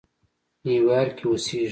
نیویارک کې اوسېږي.